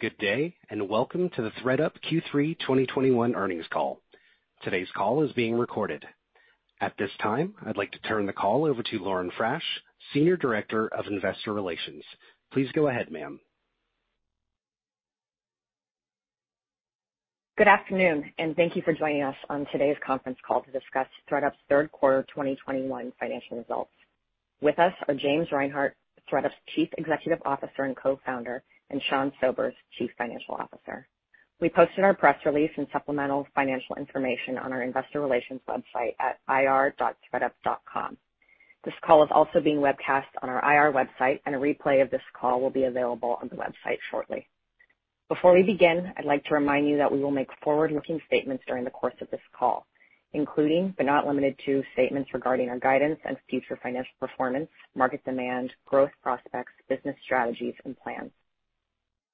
Good day, and welcome to the ThredUP Q3 2021 earnings call. Today's call is being recorded. At this time, I'd like to turn the call over to Lauren Frasch, Senior Director of Investor Relations. Please go ahead, ma'am. Good afternoon, and thank you for joining us on today's conference call to discuss ThredUP's Q3 2021 financial results. With us are James Reinhart, ThredUP's Chief Executive Officer and Co-Founder, and Sean Sobers, Chief Financial Officer. We posted our press release and supplemental financial information on our investor relations website at ir.thredup.com. This call is also being webcast on our IR website, and a replay of this call will be available on the website shortly. Before we begin, I'd like to remind you that we will make forward-looking statements during the course of this call, including, but not limited to, statements regarding our guidance and future financial performance, market demand, growth prospects, business strategies, and plans.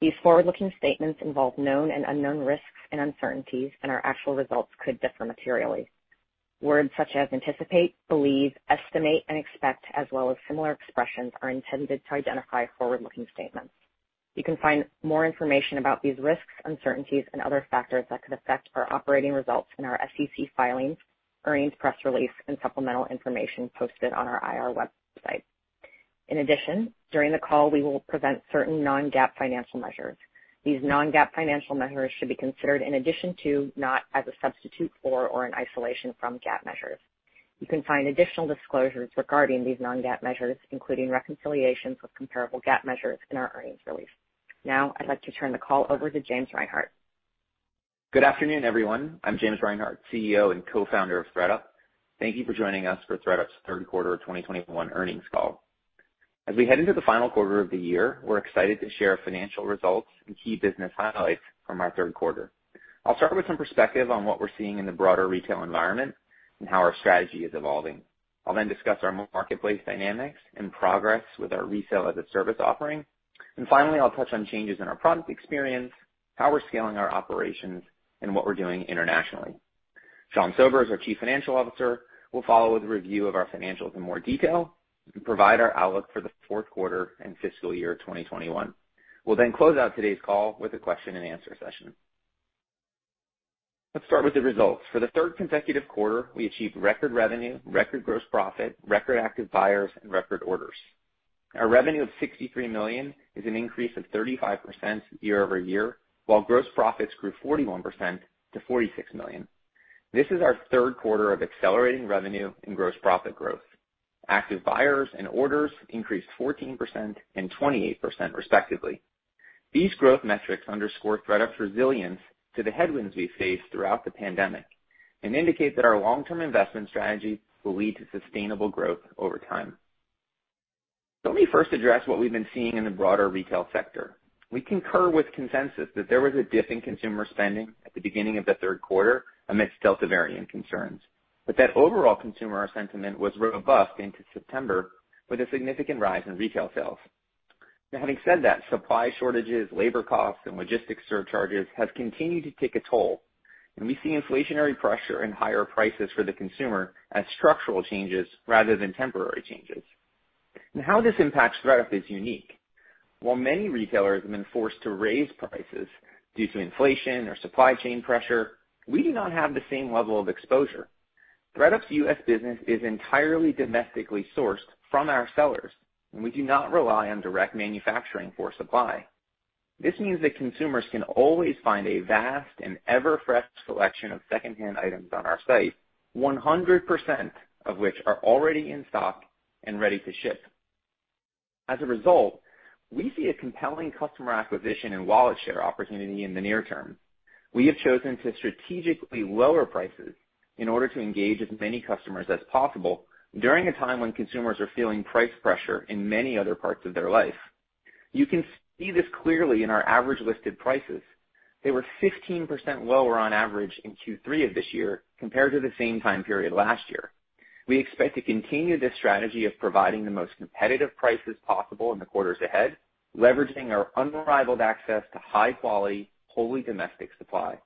These forward-looking statements involve known and unknown risks and uncertainties, and our actual results could differ materially. Words such as anticipate, believe, estimate, and expect, as well as similar expressions, are intended to identify forward-looking statements. You can find more information about these risks, uncertainties, and other factors that could affect our operating results in our SEC filings, earnings press release, and supplemental information posted on our IR website. In addition, during the call, we will present certain non-GAAP financial measures. These non-GAAP financial measures should be considered in addition to, not as a substitute for or an isolation from GAAP measures. You can find additional disclosures regarding these non-GAAP measures, including reconciliations with comparable GAAP measures, in our earnings release. Now, I'd like to turn the call over to James Reinhart. Good afternoon, everyone. I'm James Reinhart, CEO and Co-Founder of ThredUP. Thank you for joining us for ThredUP's Q3 of 2021 earnings call. As we head into the final quarter of the year, we're excited to share our financial results and key business highlights from our Q3. I'll start with some perspective on what we're seeing in the broader retail environment and how our strategy is evolving. I'll then discuss our marketplace dynamics and progress with our Resale-as-a-Service offering. Finally, I'll touch on changes in our product experience, how we're scaling our operations, and what we're doing internationally. Sean Sobers, our Chief Financial Officer, will follow with a review of our financials in more detail and provide our outlook for the Q4 and fiscal year 2021. We'll then close out today's call with a question-and-answer session. Let's start with the results. For the third consecutive quarter, we achieved record revenue, record gross profit, record active buyers, and record orders. Our revenue of $63 million is an increase of 35% year-over-year, while gross profits grew 41% to $46 million. This is our Q3 of accelerating revenue and gross profit growth. Active buyers and orders increased 14% and 28%, respectively. These growth metrics underscore ThredUP's resilience to the headwinds we face throughout the pandemic and indicate that our long-term investment strategy will lead to sustainable growth over time. Let me first address what we've been seeing in the broader retail sector. We concur with consensus that there was a dip in consumer spending at the beginning of the Q3 amidst Delta variant concerns, but that overall consumer sentiment was robust into September, with a significant rise in retail sales. Now, having said that, supply shortages, labor costs, and logistics surcharges have continued to take a toll, and we see inflationary pressure and higher prices for the consumer as structural changes rather than temporary changes. How this impacts ThredUP is unique. While many retailers have been forced to raise prices due to inflation or supply chain pressure, we do not have the same level of exposure. ThredUP's U.S. business is entirely domestically sourced from our sellers, and we do not rely on direct manufacturing for supply. This means that consumers can always find a vast and ever-fresh selection of secondhand items on our site, 100% of which are already in stock and ready to ship. As a result, we see a compelling customer acquisition and wallet share opportunity in the near term. We have chosen to strategically lower prices in order to engage as many customers as possible during a time when consumers are feeling price pressure in many other parts of their life. You can see this clearly in our average listed prices. They were 15% lower on average in Q3 of this year compared to the same time period last year. We expect to continue this strategy of providing the most competitive prices possible in the quarters ahead, leveraging our unrivaled access to high-quality, wholly domestic supply.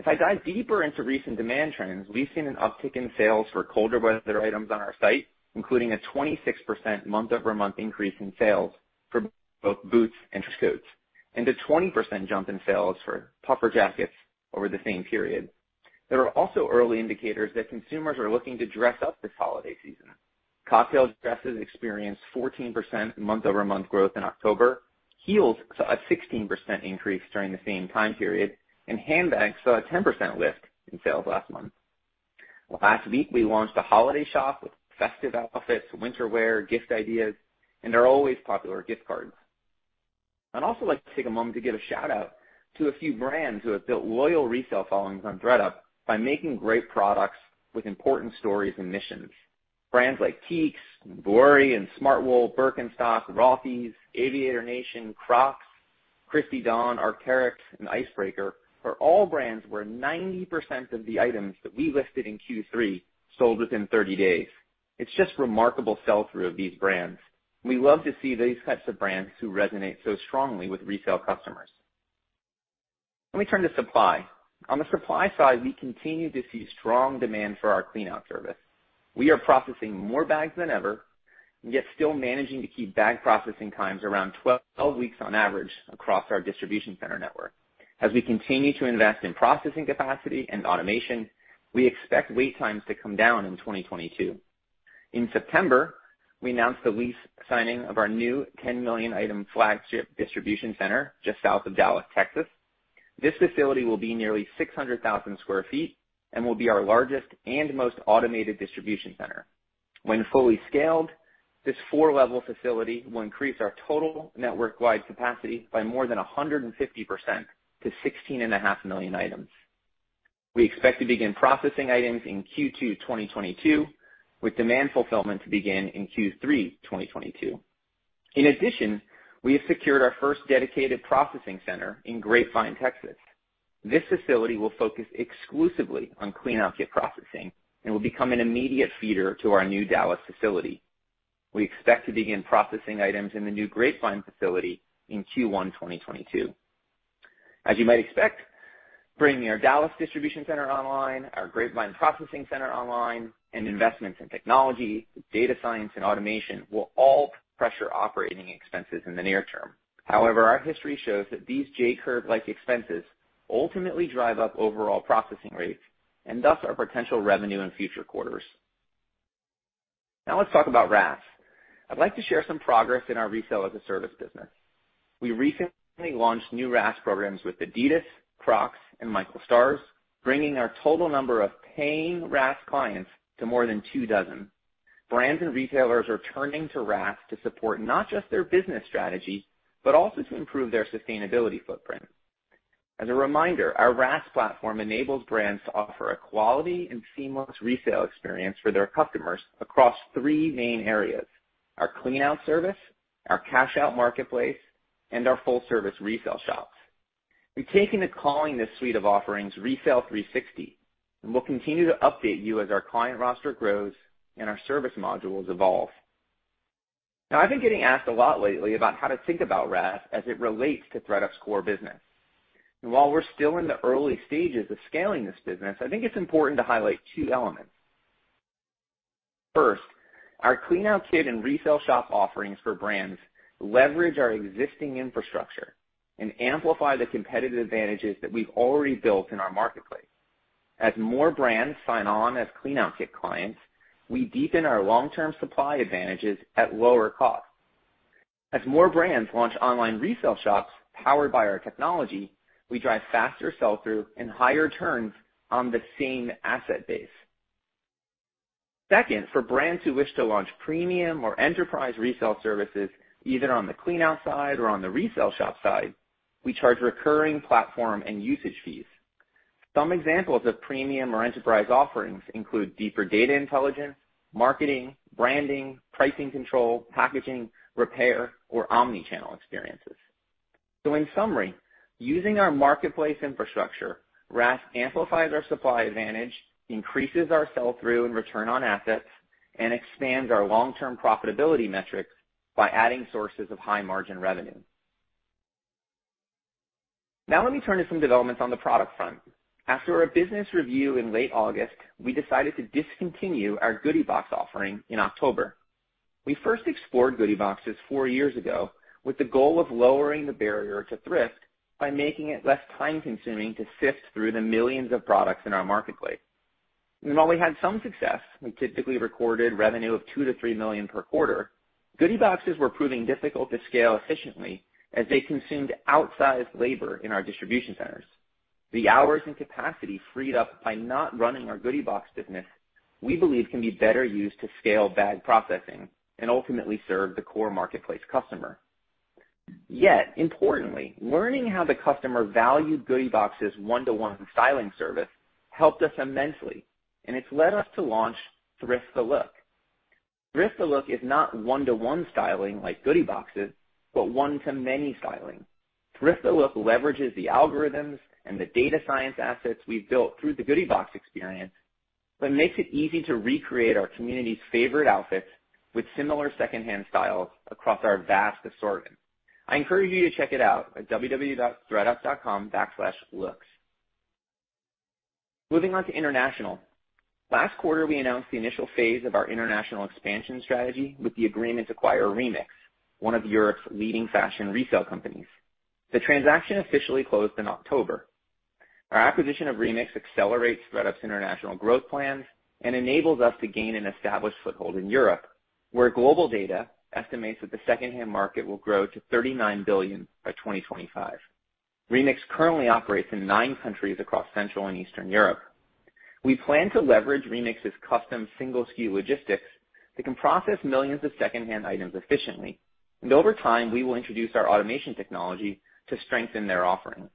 If I dive deeper into recent demand trends, we've seen an uptick in sales for colder weather items on our site, including a 26% month-over-month increase in sales for both boots and coats, and a 20% jump in sales for puffer jackets over the same period. There are also early indicators that consumers are looking to dress up this holiday season. Cocktail dresses experienced 14% month-over-month growth in October. Heels saw a 16% increase during the same time period, and handbags saw a 10% lift in sales last month. Last week, we launched a holiday shop with festive outfits, winter wear, gift ideas, and our always popular gift cards. I'd also like to take a moment to give a shout-out to a few brands who have built loyal resale followings on ThredUP by making great products with important stories and missions. Brands like Keeks, and Smartwool, Birkenstock, Rothy's, Aviator Nation, Crocs, Christy Dawn, Arc'teryx, and Icebreaker are all brands where 90% of the items that we listed in Q3 sold within 30 days. It's just remarkable sell-through of these brands. We love to see these types of brands who resonate so strongly with resale customers. Let me turn to supply. On the supply side, we continue to see strong demand for our clean out service. We are processing more bags than ever, and yet still managing to keep bag processing times around 12 weeks on average across our distribution center network. As we continue to invest in processing capacity and automation, we expect wait times to come down in 2022. In September, we announced the lease signing of our new 10 million-item flagship distribution center just south of Dallas, Texas. This facility will be nearly 600,000 sq ft and will be our largest and most automated distribution center. When fully scaled, this 4-level facility will increase our total network-wide capacity by more than 150% to 16.5 million items. We expect to begin processing items in Q2 2022, with demand fulfillment to begin in Q3 2022. In addition, we have secured our first dedicated processing center in Grapevine, Texas. This facility will focus exclusively on clean out kit processing and will become an immediate feeder to our new Dallas facility. We expect to begin processing items in the new Grapevine facility in Q1 2022. As you might expect, bringing our Dallas distribution center online, our Grapevine processing center online, and investments in technology, data science, and automation will all pressure operating expenses in the near term. However, our history shows that these J curve like expenses ultimately drive up overall processing rates and thus our potential revenue in future quarters. Now let's talk about RaaS. I'd like to share some progress in our resale as a service business. We recently launched new RaaS programs with Adidas, Crocs and Michael Stars, bringing our total number of paying RaaS clients to more than two dozen. Brands and retailers are turning to RaaS to support not just their business strategy, but also to improve their sustainability footprint. As a reminder, our RaaS platform enables brands to offer a quality and seamless resale experience for their customers across three main areas. Our clean out service, our cash out marketplace, and our full service resale shops. We've taken to calling this suite of offerings Resale 360, and we'll continue to update you as our client roster grows and our service modules evolve. Now, I've been getting asked a lot lately about how to think about RaaS as it relates to ThredUp's core business. While we're still in the early stages of scaling this business, I think it's important to highlight two elements. First, our clean out kit and resale shop offerings for brands leverage our existing infrastructure and amplify the competitive advantages that we've already built in our marketplace. As more brands sign on as clean out kit clients, we deepen our long-term supply advantages at lower cost. As more brands launch online resale shops powered by our technology, we drive faster sell-through and higher turns on the same asset base. Second, for brands who wish to launch premium or enterprise resale services, either on the clean out side or on the resale shop side, we charge recurring platform and usage fees. Some examples of premium or enterprise offerings include deeper data intelligence, marketing, branding, pricing control, packaging, repair, or omni-channel experiences. In summary, using our marketplace infrastructure, RaaS amplifies our supply advantage, increases our sell-through and return on assets, and expands our long-term profitability metrics by adding sources of high margin revenue. Now let me turn to some developments on the product front. After a business review in late August, we decided to discontinue our Goody Box offering in October. We first explored Goody Boxes four years ago with the goal of lowering the barrier to thrift by making it less time-consuming to sift through the millions of products in our marketplace. While we had some success, we typically recorded revenue of $2-$3 million per quarter. Goody Boxes were proving difficult to scale efficiently as they consumed outsized labor in our distribution centers. The hours and capacity freed up by not running our Goody Box business, we believe, can be better used to scale bag processing and ultimately serve the core marketplace customer. Yet importantly, learning how the customer valued Goody Boxes one-to-one styling service helped us immensely, and it's led us to launch Thrift the Look. Thrift the Look is not one-to-one styling like Goody Boxes, but one-to-many styling. Thrift the Look leverages the algorithms and the data science assets we've built through the Goody Box experience, but makes it easy to recreate our community's favorite outfits with similar secondhand styles across our vast assortment. I encourage you to check it out at www.thredup.com/looks. Moving on to international. Last quarter, we announced the initial phase of our international expansion strategy with the agreement to acquire Remix, one of Europe's leading fashion resale companies. The transaction officially closed in October. Our acquisition of Remix accelerates ThredUP's international growth plans and enables us to gain an established foothold in Europe, where global data estimates that the secondhand market will grow to $39 billion by 2025. Remix currently operates in nine countries across Central and Eastern Europe. We plan to leverage Remix's custom single SKU logistics that can process millions of secondhand items efficiently, and over time, we will introduce our automation technology to strengthen their offering.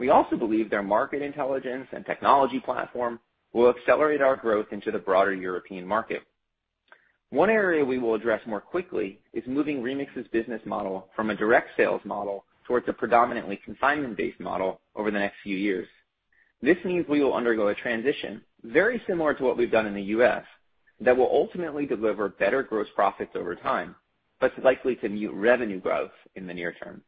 We also believe their market intelligence and technology platform will accelerate our growth into the broader European market. One area we will address more quickly is moving Remix's business model from a direct sales model towards a predominantly consignment-based model over the next few years. This means we will undergo a transition very similar to what we've done in the U.S., that will ultimately deliver better gross profits over time, but likely to mute revenue growth in the near term.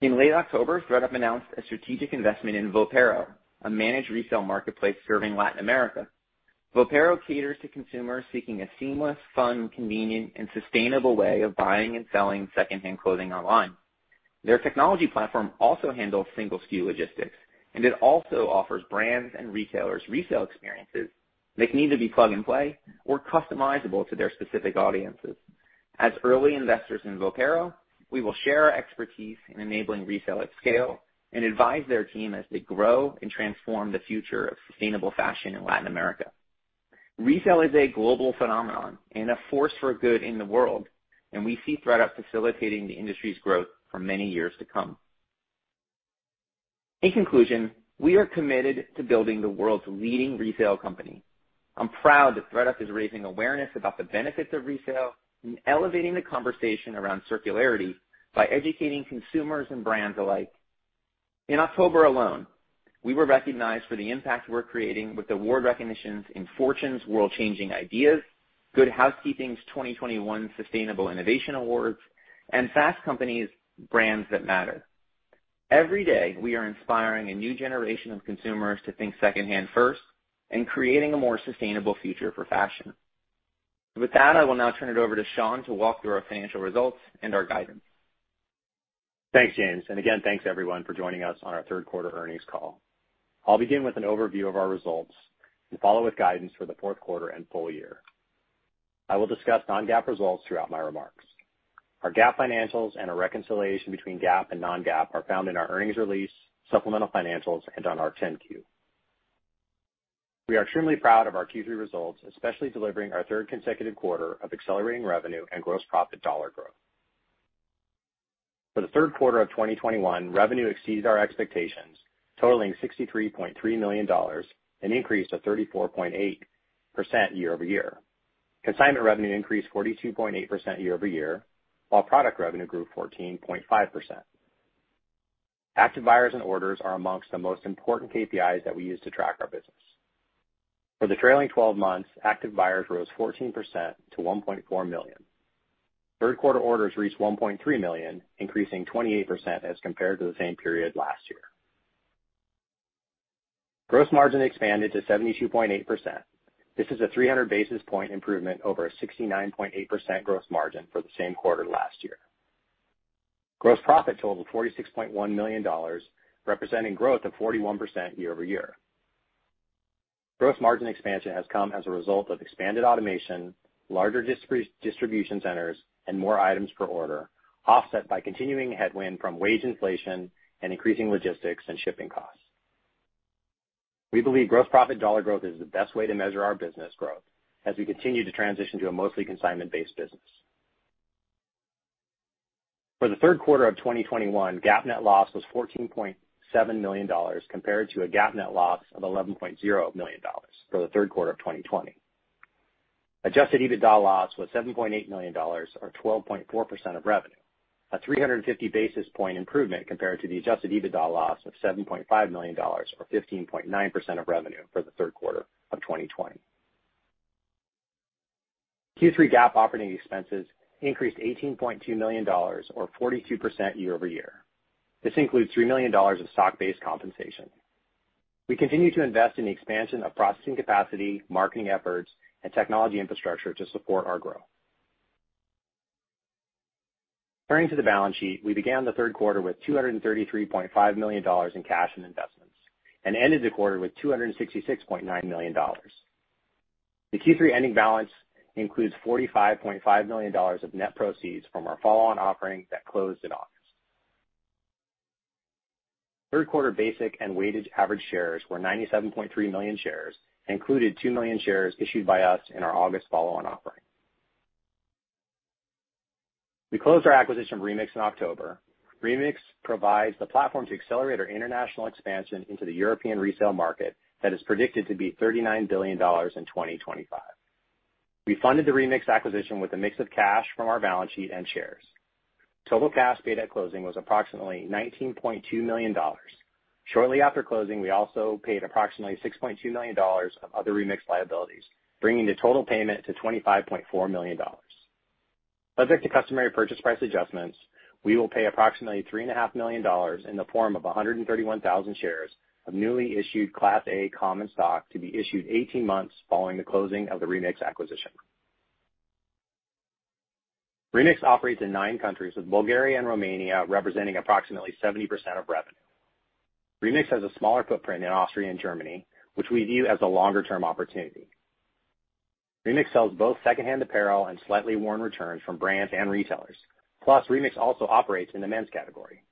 In late October, ThredUP announced a strategic investment in Vopero, a managed resale marketplace serving Latin America. Vopero caters to consumers seeking a seamless, fun, convenient, and sustainable way of buying and selling secondhand clothing online. Their technology platform also handles single SKU logistics, and it also offers brands and retailers resale experiences that can either be plug and play or customizable to their specific audiences. As early investors in Vopero, we will share our expertise in enabling resale at scale and advise their team as they grow and transform the future of sustainable fashion in Latin America. Resale is a global phenomenon and a force for good in the world, and we see ThredUp facilitating the industry's growth for many years to come. In conclusion, we are committed to building the world's leading resale company. I'm proud that ThredUp is raising awareness about the benefits of resale and elevating the conversation around circularity by educating consumers and brands alike. In October alone, we were recognized for the impact we're creating with award recognitions in Fast Company's World Changing Ideas, Good Housekeeping's 2021 Sustainable Innovation Awards, and Fast Company's Brands That Matter. Every day, we are inspiring a new generation of consumers to think secondhand first and creating a more sustainable future for fashion. With that, I will now turn it over to Sean to walk through our financial results and our guidance. Thanks, James. Again, thanks, everyone, for joining us on our Q3 earnings call. I'll begin with an overview of our results and follow with guidance for the Q4 and full year. I will discuss non-GAAP results throughout my remarks. Our GAAP financials and a reconciliation between GAAP and non-GAAP are found in our earnings release, supplemental financials, and on our 10-Q. We are truly proud of our Q3 results, especially delivering our third consecutive quarter of accelerating revenue and gross profit dollar growth. For the Q3 of 2021, revenue exceeded our expectations, totaling $63.3 million, an increase of 34.8% year-over-year. Consignment revenue increased 42.8% year-over-year, while product revenue grew 14.5%. Active buyers and orders are amongst the most important KPIs that we use to track our business. For the trailing twelve months, active buyers rose 14% to 1.4 million. Q3 orders reached 1.3 million, increasing 28% as compared to the same period last year. Gross margin expanded to 72.8%. This is a 300 basis point improvement over a 69.8% gross margin for the same quarter last year. Gross profit totaled $46.1 million, representing growth of 41% year over year. Gross margin expansion has come as a result of expanded automation, larger distribution centers, and more items per order, offset by continuing headwind from wage inflation and increasing logistics and shipping costs. We believe gross profit dollar growth is the best way to measure our business growth as we continue to transition to a mostly consignment-based business. For the Q3 of 2021, GAAP net loss was $14.7 million, compared to a GAAP net loss of $11.0 million for the Q3 of 2020. Adjusted EBITDA loss was $7.8 million or 12.4% of revenue, a 350 basis point improvement compared to the adjusted EBITDA loss of $7.5 million or 15.9% of revenue for the Q3 of 2020. Q3 GAAP operating expenses increased $18.2 million or 42% year-over-year. This includes $3 million of stock-based compensation. We continue to invest in the expansion of processing capacity, marketing efforts, and technology infrastructure to support our growth. Turning to the balance sheet, we began the Q3 with $233.5 million in cash and investments and ended the quarter with $266.9 million. The Q3 ending balance includes $45.5 million of net proceeds from our follow-on offering that closed in August. Q3 basic and weighted average shares were 97.3 million shares and included 2 million shares issued by us in our August follow-on offering. We closed our acquisition of Remix in October. Remix provides the platform to accelerate our international expansion into the European resale market that is predicted to be $39 billion in 2025. We funded the Remix acquisition with a mix of cash from our balance sheet and shares. Total cash paid at closing was approximately $19.2 million. Shortly after closing, we also paid approximately $6.2 million of other Remix liabilities, bringing the total payment to $25.4 million. Subject to customary purchase price adjustments, we will pay approximately $3 and a half million in the form of 131,000 shares of newly issued Class A common stock to be issued 18 months following the closing of the Remix acquisition. Remix operates in nine countries, with Bulgaria and Romania representing approximately 70% of revenue. Remix has a smaller footprint in Austria and Germany, which we view as a longer term opportunity. Remix sells both secondhand apparel and slightly worn returns from brands and retailers. Plus, Remix also operates in the men's category.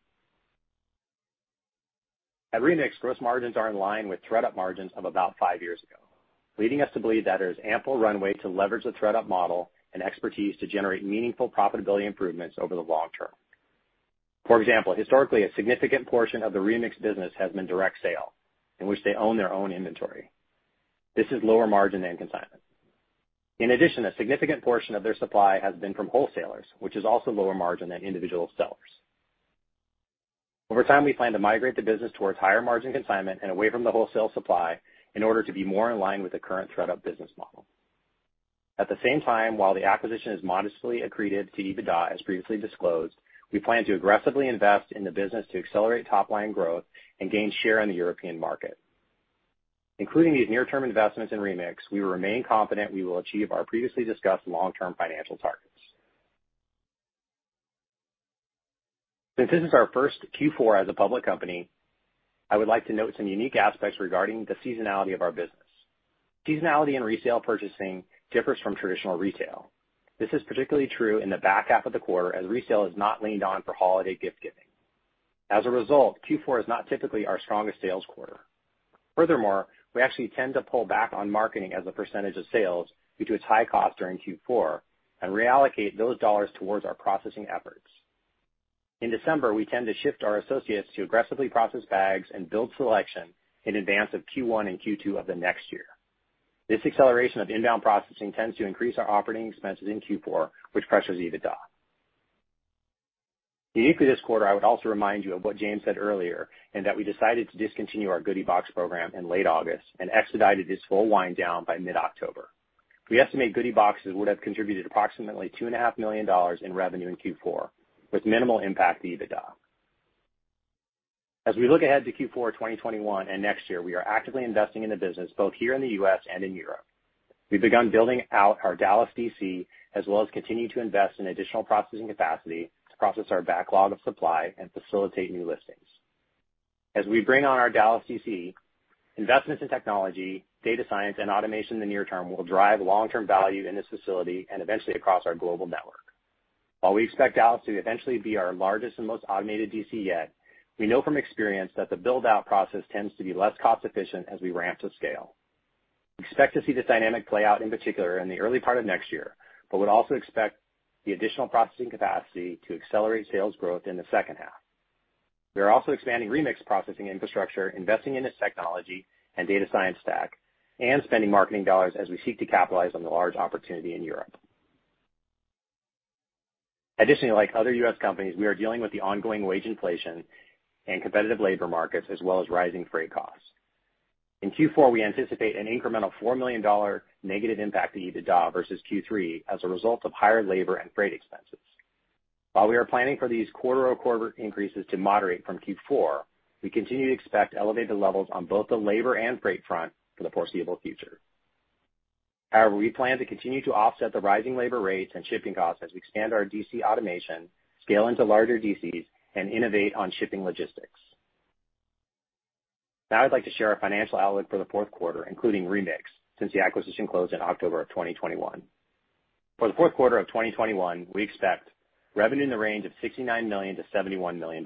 At Remix, gross margins are in line with ThredUP margins of about five years ago, leading us to believe that there is ample runway to leverage the ThredUP model and expertise to generate meaningful profitability improvements over the long term. For example, historically, a significant portion of the Remix business has been direct sale, in which they own their own inventory. This is lower margin than consignment. In addition, a significant portion of their supply has been from wholesalers, which is also lower margin than individual sellers. Over time, we plan to migrate the business towards higher margin consignment and away from the wholesale supply in order to be more in line with the current ThredUP business model. At the same time, while the acquisition is modestly accretive to EBITDA, as previously disclosed, we plan to aggressively invest in the business to accelerate top-line growth and gain share in the European market. Including these near-term investments in Remix, we remain confident we will achieve our previously discussed long-term financial targets. Since this is our first Q4 as a public company, I would like to note some unique aspects regarding the seasonality of our business. Seasonality in resale purchasing differs from traditional retail. This is particularly true in the back half of the quarter, as resale is not leaned on for holiday gift-giving. As a result, Q4 is not typically our strongest sales quarter. Furthermore, we actually tend to pull back on marketing as a percentage of sales due to its high cost during Q4 and reallocate those dollars towards our processing efforts. In December, we tend to shift our associates to aggressively process bags and build selection in advance of Q1 and Q2 of the next year. This acceleration of inbound processing tends to increase our operating expenses in Q4, which pressures EBITDA. Uniquely this quarter, I would also remind you of what James said earlier, and that we decided to discontinue our Goody Box program in late August and expedited its full wind down by mid-October. We estimate Goody Boxes would have contributed approximately $2.5 million in revenue in Q4 with minimal impact to EBITDA. As we look ahead to Q4 2021 and next year, we are actively investing in the business, both here in the U.S. and in Europe. We've begun building out our Dallas DC, as well as continue to invest in additional processing capacity to process our backlog of supply and facilitate new listings. As we bring on our Dallas DC, investments in technology, data science, and automation in the near term will drive long-term value in this facility and eventually across our global network. While we expect Dallas to eventually be our largest and most automated DC yet, we know from experience that the build-out process tends to be less cost-efficient as we ramp to scale. We expect to see this dynamic play out in particular in the early part of next year, but would also expect the additional processing capacity to accelerate sales growth in the second half. We are also expanding Remix processing infrastructure, investing in its technology and data science stack, and spending marketing dollars as we seek to capitalize on the large opportunity in Europe. Additionally, like other U.S. companies, we are dealing with the ongoing wage inflation and competitive labor markets, as well as rising freight costs. In Q4, we anticipate an incremental $4 million negative impact to EBITDA versus Q3 as a result of higher labor and freight expenses. While we are planning for these quarter-over-quarter increases to moderate from Q4, we continue to expect elevated levels on both the labor and freight front for the foreseeable future. However, we plan to continue to offset the rising labor rates and shipping costs as we expand our DC automation, scale into larger DCs, and innovate on shipping logistics. Now I'd like to share our financial outlook for the Q4, including Remix, since the acquisition closed in October 2021. For the Q4 of 2021, we expect revenue in the range of $69 million-$71 million,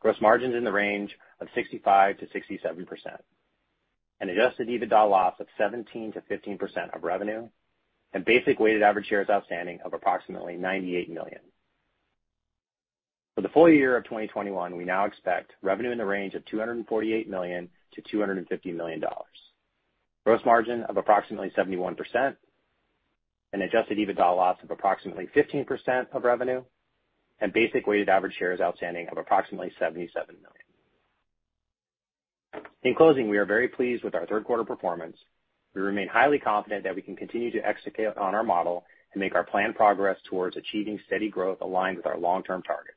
gross margins in the range of 65%-67%, an adjusted EBITDA loss of 17%-15% of revenue, and basic weighted average shares outstanding of approximately 98 million. For the full year of 2021, we now expect revenue in the range of $248 million-$250 million, gross margin of approximately 71%, an adjusted EBITDA loss of approximately 15% of revenue, and basic weighted average shares outstanding of approximately 77 million. In closing, we are very pleased with our Q3 performance. We remain highly confident that we can continue to execute on our model and make our planned progress towards achieving steady growth aligned with our long-term targets.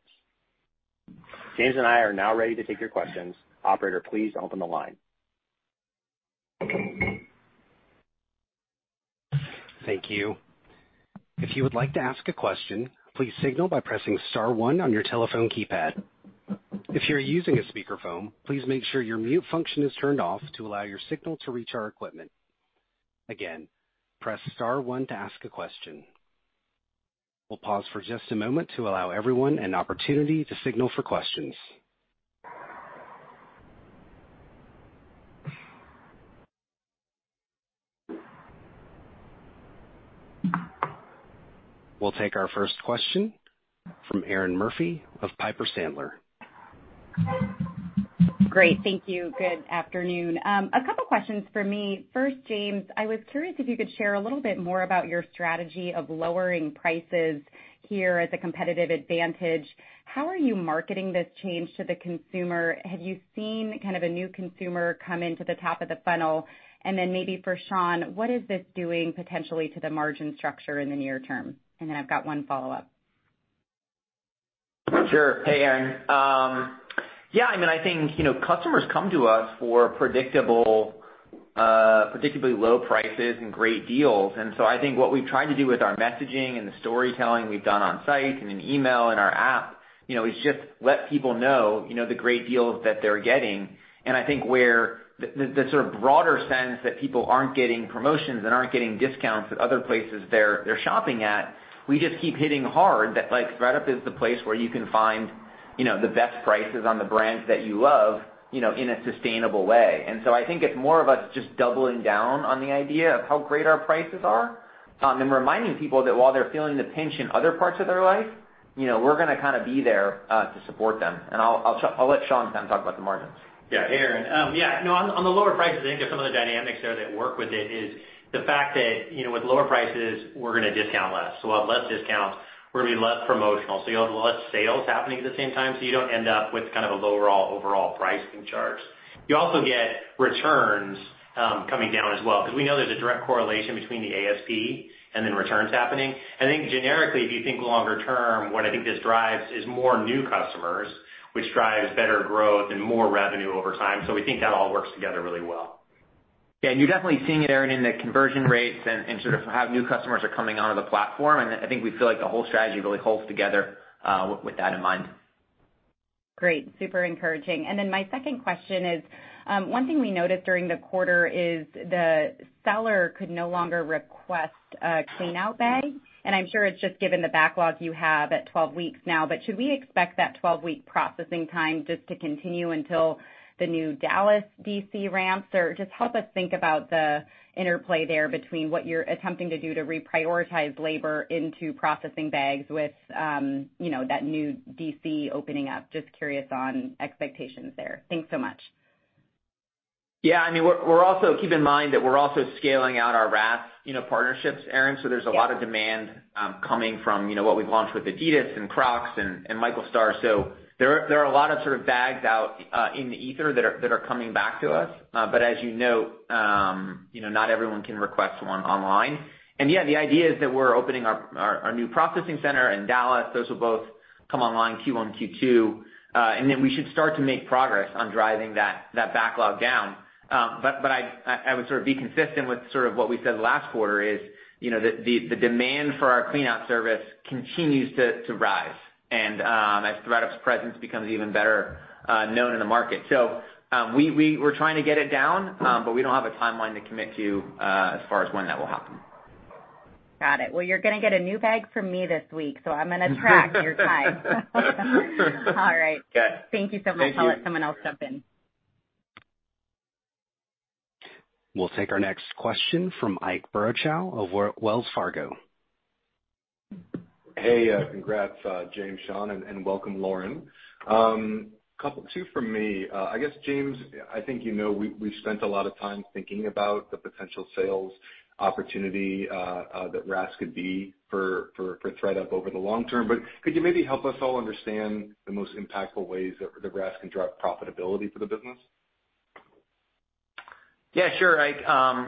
James and I are now ready to take your questions. Operator, please open the line. Thank you. If you would like to ask a question, please signal by pressing star one on your telephone keypad. If you're using a speakerphone, please make sure your mute function is turned off to allow your signal to reach our equipment. Again, press star one to ask a question. We'll pause for just a moment to allow everyone an opportunity to signal for questions. We'll take our first question from Erinn Murphy of Piper Sandler. Great. Thank you. Good afternoon. A couple questions for me. First, James, I was curious if you could share a little bit more about your strategy of lowering prices here as a competitive advantage. How are you marketing this change to the consumer? Have you seen kind of a new consumer come into the top of the funnel? And then maybe for Sean, what is this doing potentially to the margin structure in the near term? And then I've got one follow-up. Sure. Hey, Erinn. Yeah, I mean, I think, you know, customers come to us for predictable, particularly low prices and great deals. I think what we've tried to do with our messaging and the storytelling we've done on site and in email and our app, you know, is just let people know, you know, the great deals that they're getting. I think where the sort of broader sense that people aren't getting promotions and aren't getting discounts at other places they're shopping at, we just keep hitting hard that, like, ThredUP is the place where you can find, you know, the best prices on the brands that you love, you know, in a sustainable way. I think it's more of us just doubling down on the idea of how great our prices are, and reminding people that while they're feeling the pinch in other parts of their life. You know, we're gonna kinda be there to support them. I'll let Sean kind of talk about the margins. Yeah. Erinn, no, on the lower prices, I think just some of the dynamics there that work with it is the fact that, you know, with lower prices, we're gonna discount less. We'll have less discounts, we're gonna be less promotional, so you'll have less sales happening at the same time, so you don't end up with kind of a lower overall pricing charge. You also get returns coming down as well. 'Cause we know there's a direct correlation between the ASP and then returns happening. I think generically, if you think longer term, what I think this drives is more new customers, which drives better growth and more revenue over time. We think that all works together really well. Yeah, you're definitely seeing it, Erinn, in the conversion rates and sort of how new customers are coming onto the platform. I think we feel like the whole strategy really holds together with that in mind. Great. Super encouraging. Then my second question is, one thing we noticed during the quarter is the seller could no longer request a cleanout bag, and I'm sure it's just given the backlog you have at 12 weeks now, but should we expect that 12-week processing time just to continue until the new Dallas DC ramps? Or just help us think about the interplay there between what you're attempting to do to reprioritize labor into processing bags with, you know, that new DC opening up. Just curious on expectations there. Thanks so much. Yeah, I mean, keep in mind that we're also scaling out our RaaS, you know, partnerships, Erinn. So there's a lot of demand coming from, you know, what we've launched with Adidas and Crocs and Michael Stars. So there are a lot of sort of bags out in the ether that are coming back to us. As you note, you know, not everyone can request one online. Yeah, the idea is that we're opening our new processing center in Dallas. Those will both come online Q1 and Q2, and then we should start to make progress on driving that backlog down. I would sort of be consistent with sort of what we said last quarter is, you know, the demand for our cleanout service continues to rise and, as ThredUp's presence becomes even better known in the market. We're trying to get it down, but we don't have a timeline to commit to, as far as when that will happen. Got it. Well, you're gonna get a new bag from me this week, so I'm gonna track your time. All right. Okay. Thank you so much. Thank you. I'll let someone else jump in. We'll take our next question from Ike Boruchow of Wells Fargo. Hey, congrats, James, Sean, and welcome, Lauren. Couple two from me. I guess, James, I think you know we've spent a lot of time thinking about the potential sales opportunity that RaaS could be for ThredUP over the long term, but could you maybe help us all understand the most impactful ways that the RaaS can drive profitability for the business? Yeah, sure, Ike.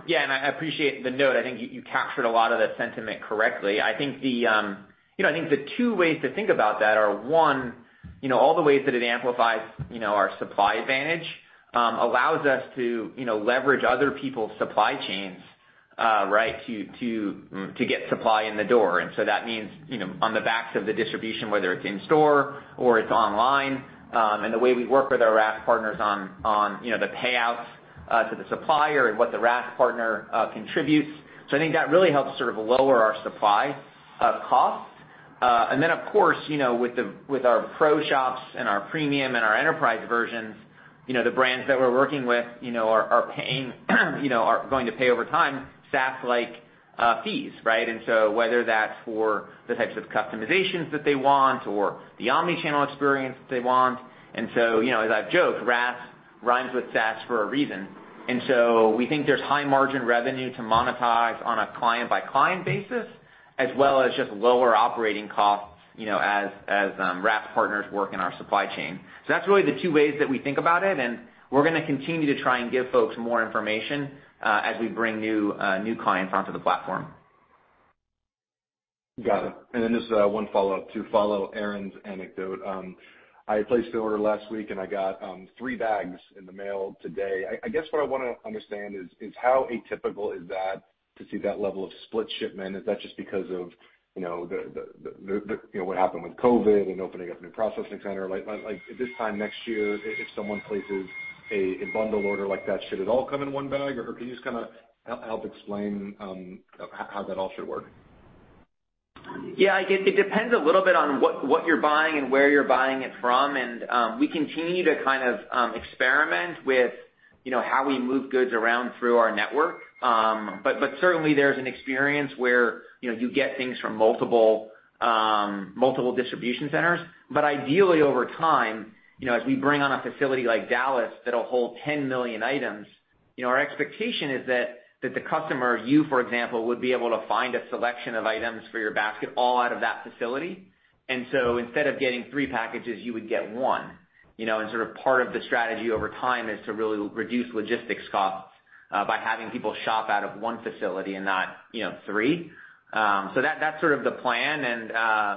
Yeah, and I appreciate the note. I think you captured a lot of the sentiment correctly. I think the two ways to think about that are, one, you know, all the ways that it amplifies, you know, our supply advantage, allows us to, you know, leverage other people's supply chains, right, to get supply in the door. That means, you know, on the backs of the distribution, whether it's in store or it's online, and the way we work with our RaaS partners on, you know, the payouts to the supplier and what the RaaS partner contributes. I think that really helps sort of lower our supply costs. Of course, you know, with our pro shops and our premium and our enterprise versions, you know, the brands that we're working with, you know, are paying, you know, are going to pay over time SaaS-like fees, right? Whether that's for the types of customizations that they want or the omni-channel experience that they want. You know, as I've joked, RaaS rhymes with SaaS for a reason. We think there's high margin revenue to monetize on a client-by-client basis, as well as just lower operating costs, you know, as RaaS partners work in our supply chain. That's really the two ways that we think about it, and we're gonna continue to try and give folks more information, as we bring new clients onto the platform. Got it. Then just one follow-up to follow Erinn's anecdote. I placed the order last week, and I got three bags in the mail today. I guess what I wanna understand is how atypical is that to see that level of split shipment? Is that just because of, you know, the what happened with COVID and opening up a new processing center? Like this time next year, if someone places a bundle order like that, should it all come in one bag? Or can you just kinda help explain how that all should work? It depends a little bit on what you're buying and where you're buying it from. We continue to kind of experiment with, you know, how we move goods around through our network. But certainly there's an experience where, you know, you get things from multiple distribution centers. Ideally, over time, you know, as we bring on a facility like Dallas that'll hold 10 million items, you know, our expectation is that the customer, you, for example, would be able to find a selection of items for your basket all out of that facility. Instead of getting three packages, you would get one. You know, sort of part of the strategy over time is to really reduce logistics costs by having people shop out of one facility and not, you know, three. That's sort of the plan.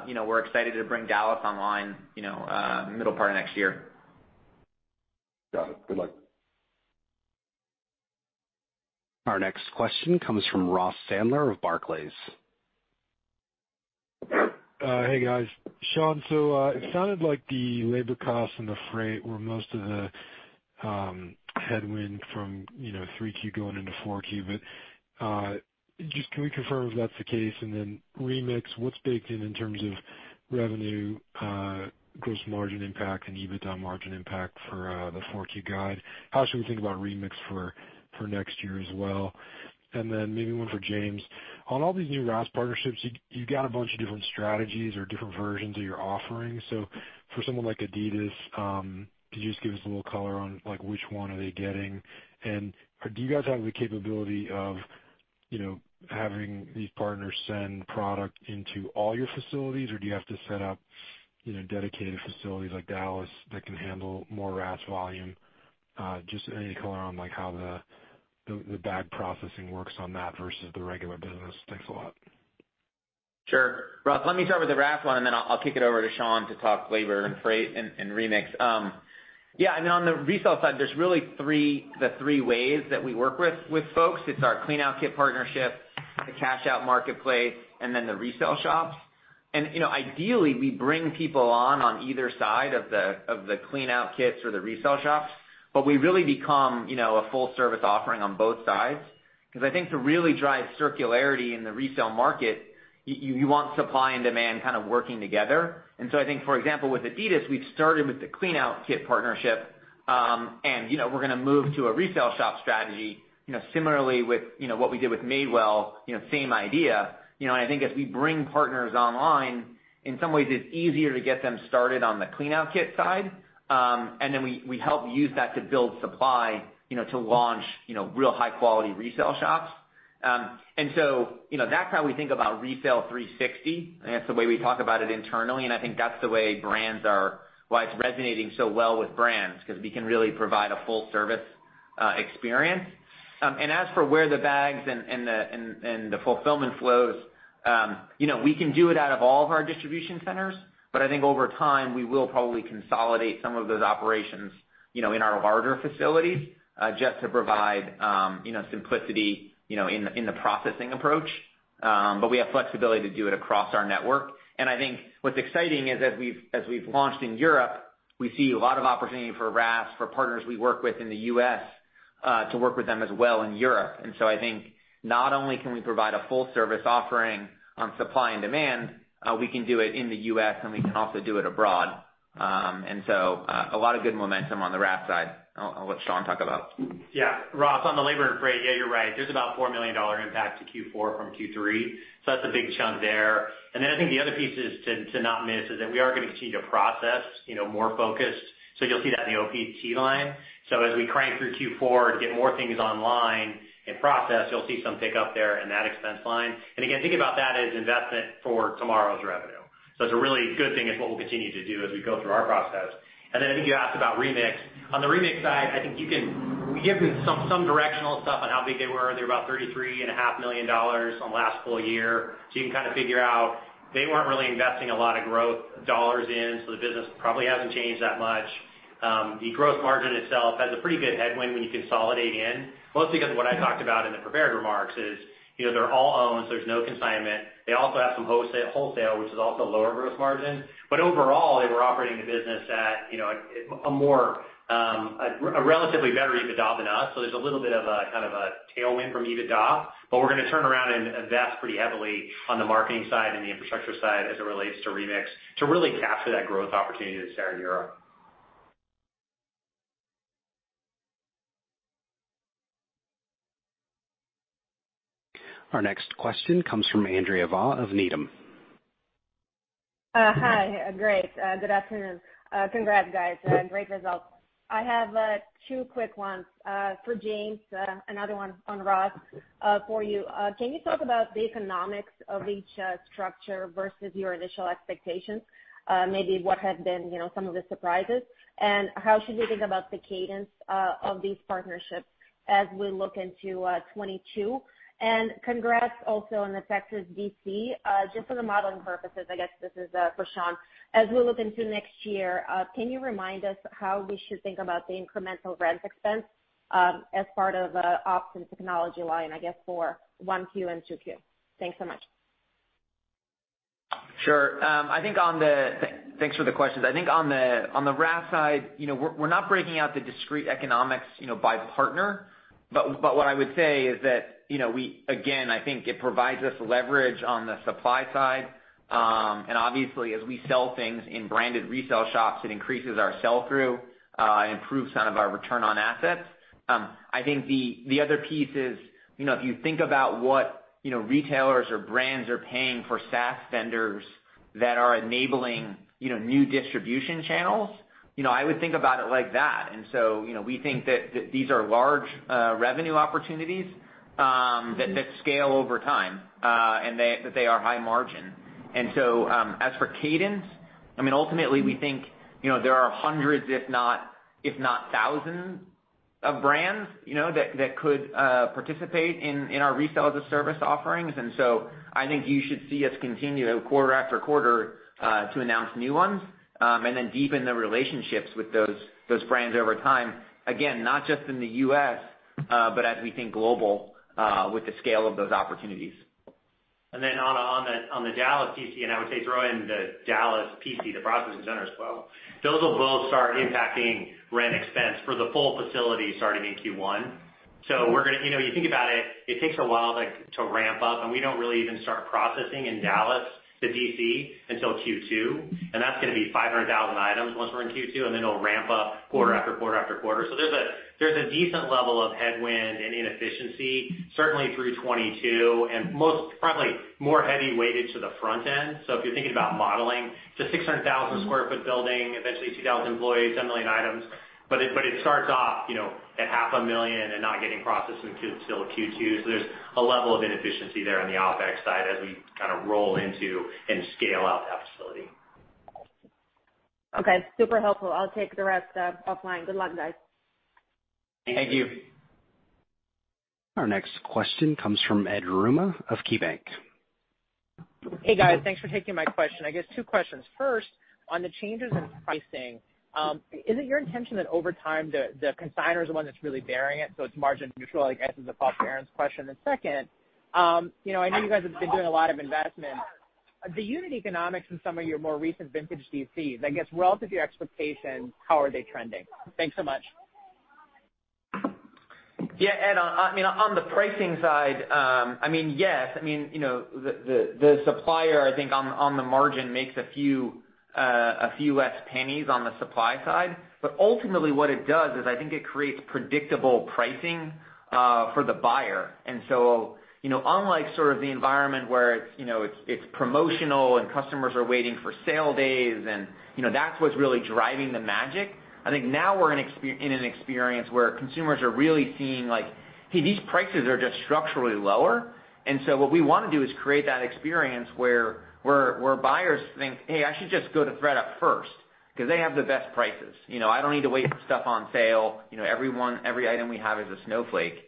You know, we're excited to bring Dallas online, you know, middle part of next year. Got it. Good luck. Our next question comes from Ross Sandler of Barclays. Hey, guys. Sean, so it sounded like the labor costs and the freight were most of the headwind from, you know, Q3 going into Q4. Just can we confirm if that's the case? Remix, what's baked in in terms of revenue, gross margin impact and EBITDA margin impact for the Q4 guide. How should we think about Remix for next year as well? Maybe one for James. On all these new RaaS partnerships, you've got a bunch of different strategies or different versions of your offerings. For someone like Adidas, could you just give us a little color on, like, which one are they getting? Do you guys have the capability of, you know, having these partners send product into all your facilities, or do you have to set up, you know, dedicated facilities like Dallas that can handle more RaaS volume? Just any color on, like, how the bag processing works on that versus the regular business. Thanks a lot. Sure. Ross, let me start with the RaaS one, and then I'll kick it over to Sean to talk labor and freight and Remix. Yeah, I mean, on the resale side, there's really three ways that we work with folks. It's our clean out kit partnership, the cash out marketplace, and then the resale shops. You know, ideally, we bring people on either side of the clean out kits or the resale shops, but we really become a full service offering on both sides. Because I think to really drive circularity in the resale market, you want supply and demand kind of working together. I think, for example, with Adidas, we've started with the clean out kit partnership, and, you know, we're gonna move to a resale shop strategy, you know, similarly with, you know, what we did with Madewell, you know, same idea. You know, and I think as we bring partners online, in some ways it's easier to get them started on the clean out kit side, and then we help use that to build supply, you know, to launch, you know, real high quality resale shops. You know, that's how we think about Resale 360. That's the way we talk about it internally, and I think that's the way brands are. That's why it's resonating so well with brands, because we can really provide a full service experience. As for where the bags and the fulfillment flows, you know, we can do it out of all of our distribution centers, but I think over time, we will probably consolidate some of those operations, you know, in our larger facilities, just to provide, you know, simplicity, you know, in the processing approach. We have flexibility to do it across our network. I think what's exciting is as we've launched in Europe, we see a lot of opportunity for RaaS, for partners we work with in the U.S., to work with them as well in Europe. I think not only can we provide a full service offering on supply and demand, we can do it in the U.S., and we can also do it abroad. A lot of good momentum on the RaaS side. I'll let Sean talk about Yeah. Ross, on the labor and freight, yeah, you're right. There's about $4 million impact to Q4 from Q3, so that's a big chunk there. I think the other piece is to not miss is that we are gonna continue to process, you know, more focused. You'll see that in the OpEx line. As we crank through Q4 to get more things online and processed, you'll see some pickup there in that expense line. Again, think about that as investment for tomorrow's revenue. It's a really good thing. It's what we'll continue to do as we go through our process. I think you asked about Remix. On the Remix side, I think we give some directional stuff on how big they were. They were about $33.5 million on last full year. You can kind of figure out, they weren't really investing a lot of growth dollars in, so the business probably hasn't changed that much. The gross margin itself has a pretty good headwind when you consolidate in, mostly because what I talked about in the prepared remarks is, you know, they're all owned, so there's no consignment. They also have some wholesale, which is also lower gross margin. Overall, they were operating the business at, you know, a relatively better EBITDA than us. There's a little bit of a, kind of a tailwind from EBITDA, but we're gonna turn around and invest pretty heavily on the marketing side and the infrastructure side as it relates to Remix to really capture that growth opportunity that's there in Europe. Our next question comes from Anna Andreeva of Needham. Hi. Great. Good afternoon. Congrats guys. Great results. I have two quick ones for James, another one on Ross for you. Can you talk about the economics of each structure versus your initial expectations? Maybe what have been, you know, some of the surprises, and how should we think about the cadence of these partnerships as we look into 2022? Congrats also on the Texas DC. Just for the modeling purposes, I guess this is for Sean. As we look into next year, can you remind us how we should think about the incremental rent expense as part of ops and technology line, I guess, for Q1 and Q2? Thanks so much. Thanks for the questions. I think on the RaaS side, you know, we're not breaking out the discrete economics, you know, by partner. But what I would say is that, you know, again, I think it provides us leverage on the supply side. Obviously, as we sell things in branded resale shops, it increases our sell-through, improves some of our return on assets. I think the other piece is, you know, if you think about what, you know, retailers or brands are paying for SaaS vendors that are enabling, you know, new distribution channels, you know, I would think about it like that. You know, we think that these are large revenue opportunities that scale over time and that they are high margin. As for cadence, I mean, ultimately we think, you know, there are hundreds, if not thousands of brands, you know, that could participate in our Resale-as-a-Service offerings. I think you should see us continue quarter after quarter to announce new ones and then deepen the relationships with those brands over time. Again, not just in the U.S., but as we think global, with the scale of those opportunities. Then on the Dallas DC, I would say throw in the Dallas DC, the processing center as well. Those will both start impacting rent expense for the full facility starting in Q1. We're gonna. You know, you think about it takes a while to ramp up, and we don't really even start processing in Dallas, the DC, until Q2, and that's gonna be 500,000 items once we're in Q2, and then it'll ramp up quarter after quarter after quarter. There's a decent level of headwind and inefficiency certainly through 2022 and most probably more heavily weighted to the front end. If you're thinking about modeling, it's a 600,000 sq ft building, eventually 2,000 employees, 10 million items. But it starts off, you know, at 500,000 and not getting processed until Q2. There's a level of inefficiency there on the OpEx side as we kind of roll into and scale out that facility. Okay, super helpful. I'll take the rest offline. Good luck, guys. Thank you. Our next question comes from Ed Yruma of KeyBanc Capital Markets. Hey, guys. Thanks for taking my question. I guess two questions. First, on the changes in pricing, is it your intention that over time the consignor is the one that's really bearing it, so it's margin neutral, I guess, is the Paul Behrens question. Second, you know, I know you guys have been doing a lot of investment. The unit economics in some of your more recent vintage DCs, I guess relative to your expectations, how are they trending? Thanks so much. Yeah, Ed, on the pricing side, I mean, yes. I mean, you know, the supplier, I think on the margin makes a few less pennies on the supply side. Ultimately what it does is I think it creates predictable pricing for the buyer. You know, unlike sort of the environment where it's promotional and customers are waiting for sale days and, you know, that's what's really driving the magic, I think now we're in an experience where consumers are really seeing, like, hey, these prices are just structurally lower. What we wanna do is create that experience where buyers think, "Hey, I should just go to ThredUP first because they have the best prices. You know, I don't need to wait for stuff on sale. You know, every one, every item we have is a snowflake."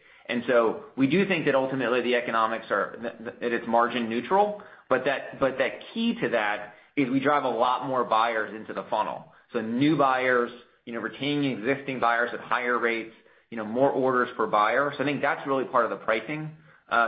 We do think that ultimately the economics are that it is margin neutral, but the key to that is we drive a lot more buyers into the funnel. New buyers, you know, retaining existing buyers at higher rates, you know, more orders per buyer. I think that's really part of the pricing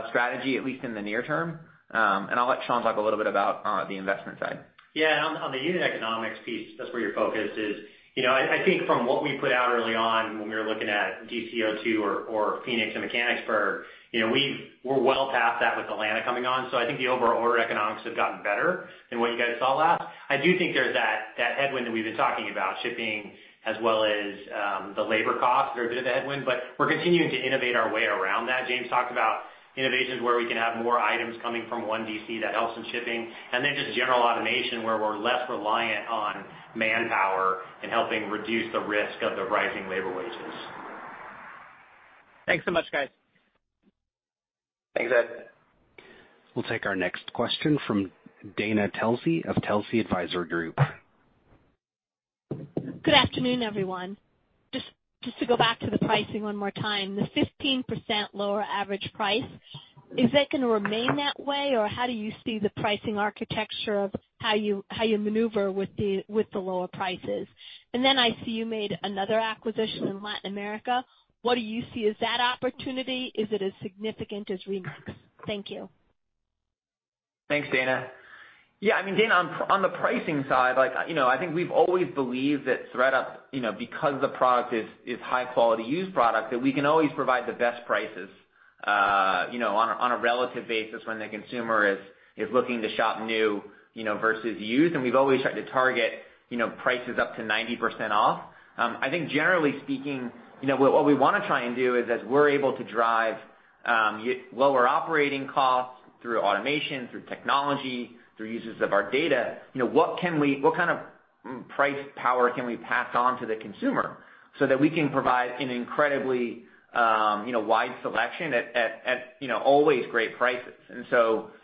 strategy, at least in the near term. I'll let Sean talk a little bit about the investment side. Yeah. On the unit economics piece, that's where your focus is. You know, I think from what we put out early on when we were looking at DC02 or Phoenix and Mechanicsburg, you know, we're well past that with Atlanta coming on. I think the overall order economics have gotten better than what you guys saw last. I do think there's that headwind that we've been talking about, shipping as well as the labor costs are a bit of a headwind, but we're continuing to innovate our way around that. James talked about innovations where we can have more items coming from one DC that helps in shipping, and then just general automation where we're less reliant on manpower and helping reduce the risk of the rising labor wages. Thanks so much, guys. Thanks, Ed. We'll take our next question from Dana Telsey of Telsey Advisory Group. Good afternoon, everyone. Just to go back to the pricing one more time, the 15% lower average price, is that gonna remain that way, or how do you see the pricing architecture of how you maneuver with the lower prices? I see you made another acquisition in Latin America. What do you see as that opportunity? Is it as significant as Remix? Thank you. Thanks, Dana. Yeah, I mean, Dana, on the pricing side, like, you know, I think we've always believed that ThredUP, you know, because the product is high quality used product, that we can always provide the best prices, you know, on a relative basis when the consumer is looking to shop new, you know, versus used, and we've always tried to target, you know, prices up to 90% off. I think generally speaking, you know, what we wanna try and do is as we're able to drive lower operating costs through automation, through technology, through uses of our data, you know, what kind of price power can we pass on to the consumer so that we can provide an incredibly, you know, wide selection at always great prices?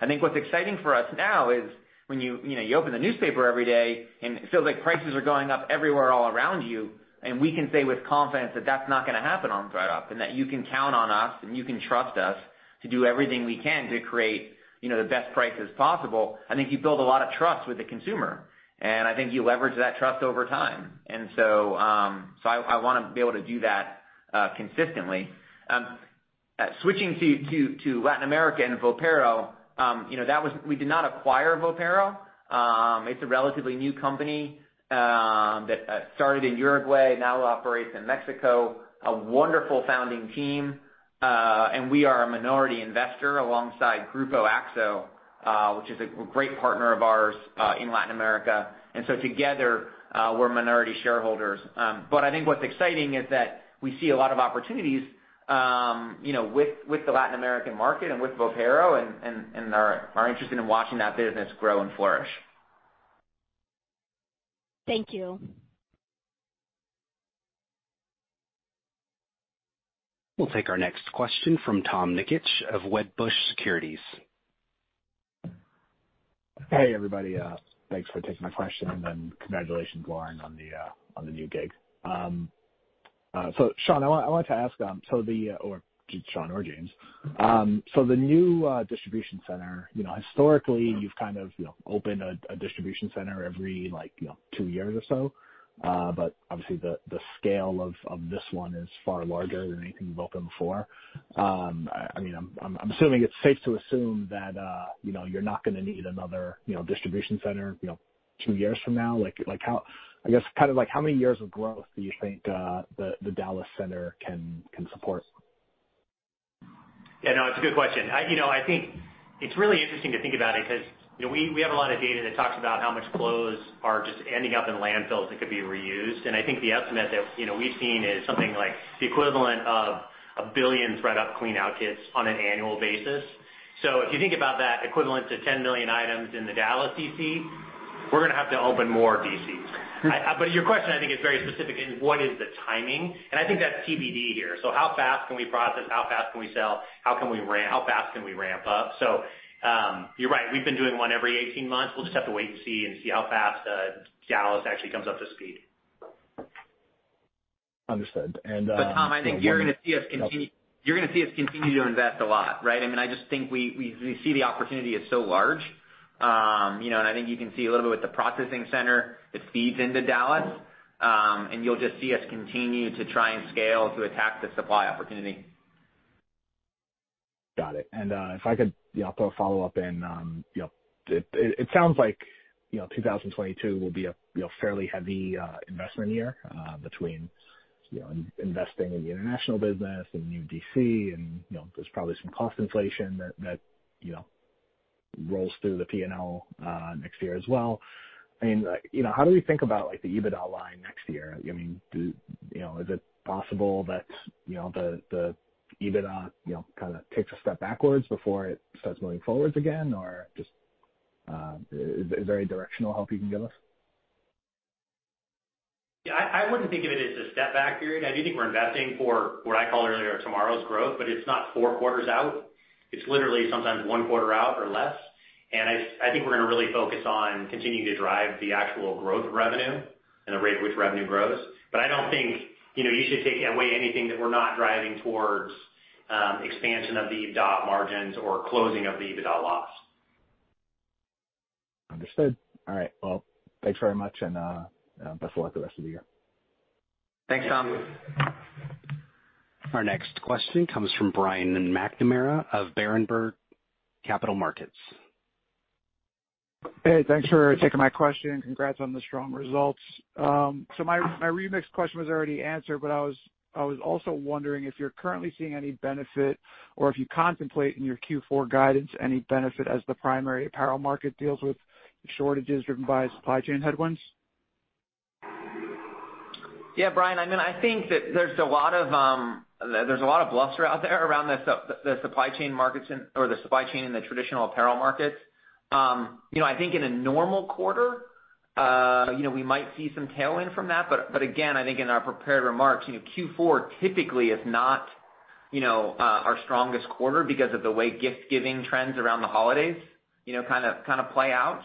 I think what's exciting for us now is when you know, you open the newspaper every day and it feels like prices are going up everywhere all around you, and we can say with confidence that that's not gonna happen on ThredUP, and that you can count on us, and you can trust us to do everything we can to create, you know, the best prices possible. I think you build a lot of trust with the consumer, and I think you leverage that trust over time. I wanna be able to do that consistently. Switching to Latin America and Vopero, that was. We did not acquire Vopero. It's a relatively new company that started in Uruguay, now operates in Mexico. A wonderful founding team, and we are a minority investor alongside Grupo Axo, which is a great partner of ours, in Latin America. Together, we're minority shareholders. I think what's exciting is that we see a lot of opportunities, you know, with the Latin American market and with Vopero and are interested in watching that business grow and flourish. Thank you. We'll take our next question from Tom Nikic of Wedbush Securities. Hey, everybody. Thanks for taking my question, and then congratulations, Lauren, on the new gig. Sean, I wanted to ask, or Sean or James. The new distribution center, you know, historically you've kind of you know opened a distribution center every like you know two years or so, but obviously the scale of this one is far larger than anything you've opened before. I mean, I'm assuming it's safe to assume that, you know, you're not gonna need another, you know, distribution center, you know. Two years from now? Like, I guess kind of like how many years of growth do you think the Dallas center can support? Yeah, no, it's a good question. I, you know, I think it's really interesting to think about it because, you know, we have a lot of data that talks about how much clothes are just ending up in landfills that could be reused. I think the estimate that, you know, we've seen is something like the equivalent of 1 billion ThredUP clean out kits on an annual basis. If you think about that equivalent to 10 million items in the Dallas DC, we're gonna have to open more DCs. Your question, I think, is very specific in what is the timing, and I think that's TBD here. How fast can we process, how fast can we sell, how fast can we ramp up? You're right, we've been doing one every 18 months. We'll just have to wait and see, and see how fast Dallas actually comes up to speed. Understood. Tom, I think you're gonna see us continue. You're gonna see us continue to invest a lot, right? I mean, I just think we see the opportunity is so large, you know, and I think you can see a little bit with the processing center that feeds into Dallas, and you'll just see us continue to try and scale to attack the supply opportunity. Got it. If I could, yeah, I'll throw a follow-up in, you know, it sounds like, you know, 2022 will be a, you know, fairly heavy investment year, between, you know, investing in the international business and new DC, and, you know, there's probably some cost inflation that you know, rolls through the P&L next year as well. I mean, like, you know, how do we think about, like the EBITDA line next year? I mean, you know, is it possible that, you know, the EBITDA you know, kinda takes a step backwards before it starts moving forwards again? Or just, is there any directional help you can give us? Yeah. I wouldn't think of it as a step back, period. I do think we're investing for what I called earlier, tomorrow's growth, but it's not four quarters out. It's literally sometimes one quarter out or less. I think we're gonna really focus on continuing to drive the actual growth revenue and the rate at which revenue grows. I don't think, you know, you should take away anything that we're not driving towards expansion of the EBITDA margins or closing of the EBITDA loss. Understood. All right, well, thanks very much, and best of luck the rest of the year. Thanks, Tom. Our next question comes from Brian McNamara of Berenberg Capital Markets. Hey, thanks for taking my question, and congrats on the strong results. My Remix question was already answered, but I was also wondering if you're currently seeing any benefit or if you contemplate in your Q4 guidance, any benefit as the primary apparel market deals with shortages driven by supply chain headwinds. Yeah. Brian, I mean, I think that there's a lot of bluster out there around the supply chain markets or the supply chain in the traditional apparel markets. You know, I think in a normal quarter, you know, we might see some tailwind from that. Again, I think in our prepared remarks, you know, Q4 typically is not, you know, our strongest quarter because of the way gift giving trends around the holidays, you know, kind of play out.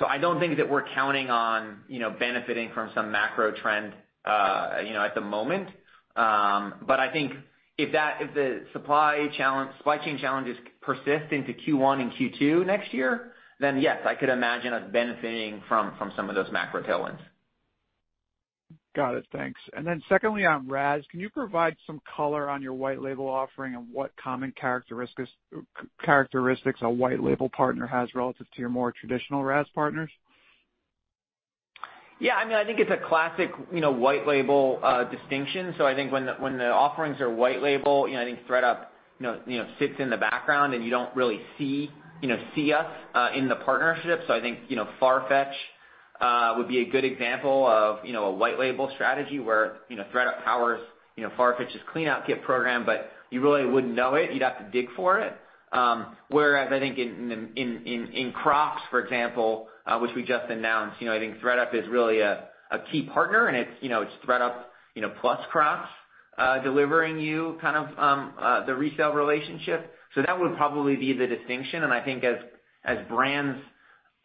I don't think that we're counting on, you know, benefiting from some macro trend, you know, at the moment. I think if the supply chain challenges persist into Q1 and Q2 next year, then yes, I could imagine us benefiting from some of those macro tailwinds. Got it. Thanks. Secondly on RaaS, can you provide some color on your white label offering and what common characteristics a white label partner has relative to your more traditional RaaS partners? Yeah, I mean, I think it's a classic, you know, white label distinction. I think when the offerings are white label, you know, I think ThredUP, you know, sits in the background, and you don't really see, you know, see us in the partnership. I think, you know, FARFETCH would be a good example of, you know, a white label strategy where, you know, ThredUP powers, you know, FARFETCH's clean out kit program, but you really wouldn't know it. You'd have to dig for it. Whereas I think in Crocs, for example, which we just announced, you know, I think ThredUP is really a key partner, and it's, you know, ThredUP, you know, plus Crocs delivering you kind of the resale relationship. That would probably be the distinction. I think as brands,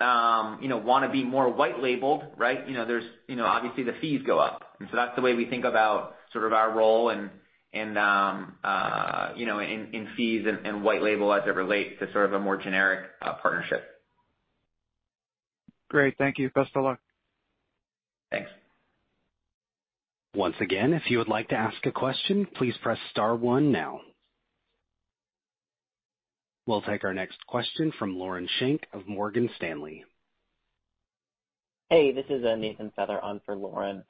you know, wanna be more white labeled, right? You know, there's you know obviously the fees go up. That's the way we think about sort of our role and you know in fees and white label as it relates to sort of a more generic partnership. Great. Thank you. Best of luck. Thanks. Once again, if you would like to ask a question, please press star one now. We'll take our next question from Lauren Schenk of Morgan Stanley. Hey, this is Nathan Feather on for Lauren.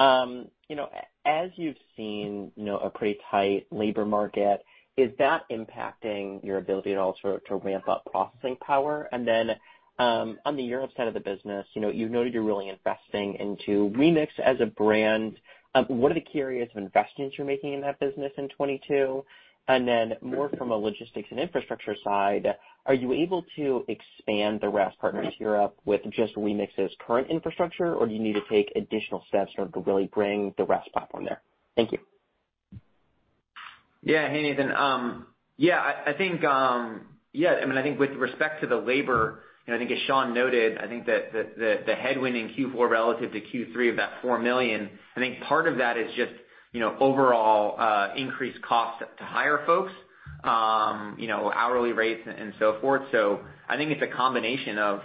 You know, as you've seen, you know, a pretty tight labor market, is that impacting your ability at all to ramp up processing power? Then, on the Europe side of the business, you know, you've noted you're really investing into Remix as a brand, what are the key areas of investments you're making in that business in 2022? Then more from a logistics and infrastructure side, are you able to expand the RaaS partners in Europe with just Remix's current infrastructure, or do you need to take additional steps in order to really bring the RaaS platform there? Thank you. Yeah. Hey, Nathan. I think with respect to the labor, and I think as Sean noted, I think that the headwind in Q4 relative to Q3 of that $4 million, I think part of that is just, you know, overall increased cost to hire folks, you know, hourly rates and so forth. So I think it's a combination of,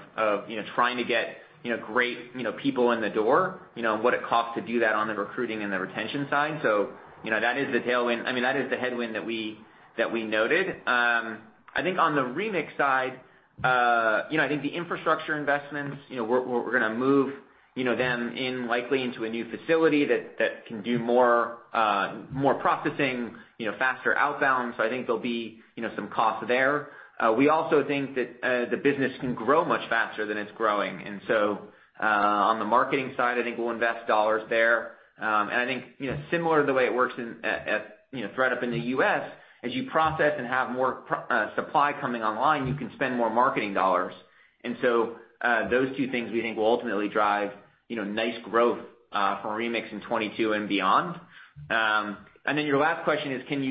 you know, trying to get, you know, great, you know, people in the door, you know, and what it costs to do that on the recruiting and the retention side. So, you know, that is the tailwind. I mean, that is the headwind that we noted. I think on the Remix side, you know, I think the infrastructure investments, you know, we're gonna move, you know, them in likely into a new facility that can do more processing, you know, faster outbound. I think there'll be, you know, some costs there. We also think that the business can grow much faster than it's growing. On the marketing side, I think we'll invest dollars there. I think, you know, similar to the way it works in at, you know, ThredUp in the U.S., as you process and have more supply coming online, you can spend more marketing dollars. Those two things we think will ultimately drive, you know, nice growth for Remix in 2022 and beyond. Your last question is, can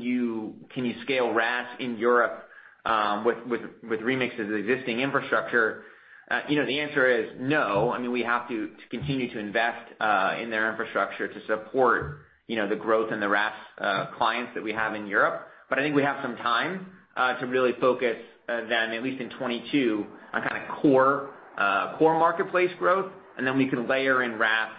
you scale RaaS in Europe with Remix's existing infrastructure? You know, the answer is no. I mean, we have to continue to invest in their infrastructure to support, you know, the growth and the RaaS clients that we have in Europe. I think we have some time to really focus then at least in 2022 on kinda core marketplace growth, and then we can layer in RaaS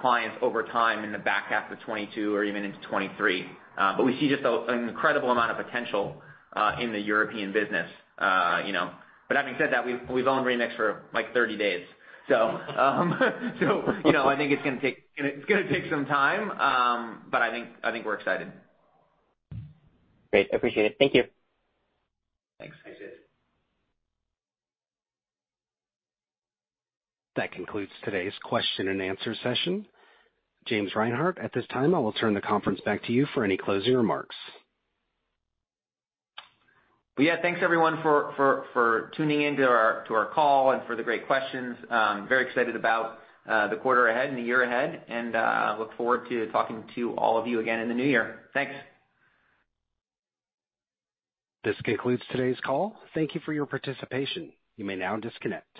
clients over time in the back half of 2022 or even into 2023. But we see just an incredible amount of potential in the European business, you know. Having said that, we've owned Remix for like 30 days. You know, I think it's gonna take some time, but I think we're excited. Great. Appreciate it. Thank you. Thanks. Thanks, Nathan. That concludes today's question and answer session. James Reinhart, at this time, I will turn the conference back to you for any closing remarks. Well, yeah, thanks everyone for tuning in to our call and for the great questions. Very excited about the quarter ahead and the year ahead, and look forward to talking to all of you again in the new year. Thanks. This concludes today's call. Thank you for your participation. You may now disconnect.